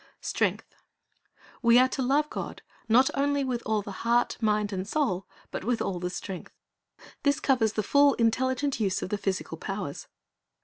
"' STRENGTH We are to love God, not only with all the heart, mind, and soul, but with all the strength. This covers the full, intelligent use of the physical powers.